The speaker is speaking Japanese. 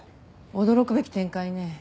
驚くべき展開ね。